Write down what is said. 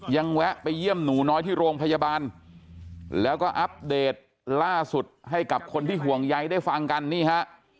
แวะไปเยี่ยมหนูน้อยที่โรงพยาบาลแล้วก็อัปเดตล่าสุดให้กับคนที่ห่วงใยได้ฟังกันนี่ฮะ